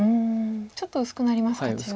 ちょっと薄くなりますか。